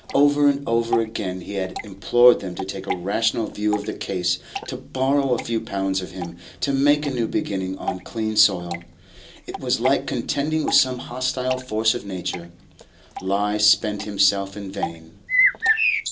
Over and over again he had implored them to take a rational view of the case, to borrow a few pounds of him, to make a new beginning on clean soil. It was like contending with some hostile force of nature; he spent himself in vain.